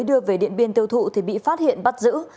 đưa về điện biên tiêu thụ thì bị phát hiện bắt giữ